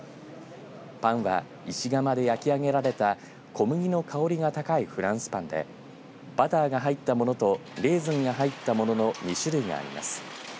パンは石窯で焼き上げられた小麦の香りが高いフランスパンでバターが入ったものとレーズンが入ったものの２種類があります。